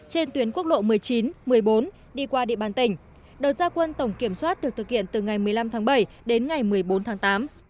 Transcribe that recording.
trên tuyến quốc lộ một mươi chín một mươi bốn đi qua địa bàn tỉnh đợt gia quân tổng kiểm soát được thực hiện từ ngày một mươi năm tháng bảy đến ngày một mươi bốn tháng tám